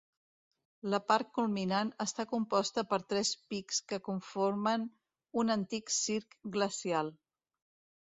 La part culminant està composta per tres pics que conformen un antic circ glacial.